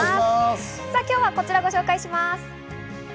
今日はこちらをご紹介します。